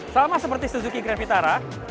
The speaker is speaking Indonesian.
sama seperti suzuki grand vitara